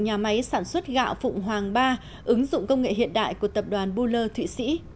nhà máy sản xuất gạo phụng hoàng ba ứng dụng công nghệ hiện đại của tập đoàn buller thụy sĩ